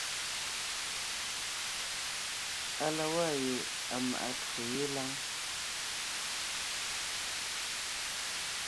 À la waa ye à maʼa twó yé lâŋ.